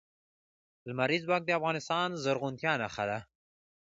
لمریز ځواک د افغانستان د زرغونتیا نښه ده.